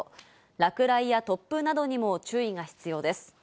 落雷や突風などにも注意が必要です。